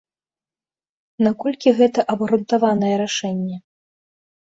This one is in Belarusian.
Наколькі гэта абгрунтаванае рашэнне?